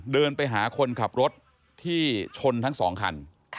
เดินไปหาคนขับรถที่ชนทั้งสองคัน